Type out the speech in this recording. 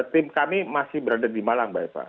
tim kami masih berada di malang mbak eva